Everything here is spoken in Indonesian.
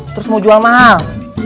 terus mau jual mahal